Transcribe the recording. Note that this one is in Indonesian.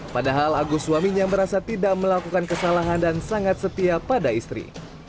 padahal agus suaminya merasa tidak melakukan kesalahan dan sangat setia pada istri